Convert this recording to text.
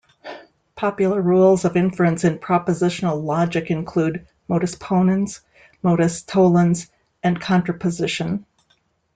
Popular rules of inference in propositional logic include "modus ponens", "modus tollens", and contraposition.